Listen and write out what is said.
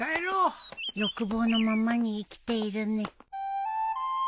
欲望のままに生きているね。